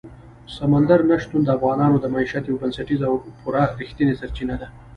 سمندر نه شتون د افغانانو د معیشت یوه بنسټیزه او پوره رښتینې سرچینه ده.